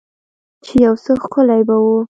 چې يو څه ښکلي به وو.